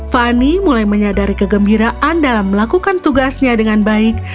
fani mulai menyadari kegembiraan dalam melakukan tugasnya dengan baik